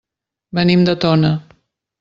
Venim de Tona.